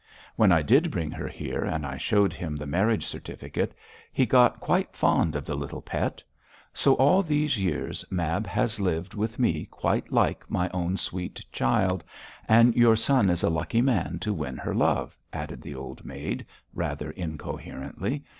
When I did bring her here, and I showed him the marriage certificate, he got quite fond of the little pet. So all these years Mab has lived with me quite like my own sweet child, and your son is a lucky man to win her love,' added the old maid, rather incoherently.